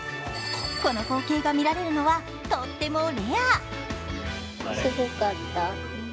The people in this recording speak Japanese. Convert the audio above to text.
この光景が見られるのはとってもレア。